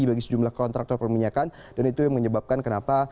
bagi sejumlah kontraktor perminyakan dan itu yang menyebabkan kenapa